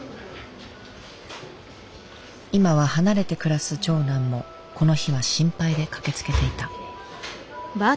今は離れて暮らす長男もこの日は心配で駆けつけていた。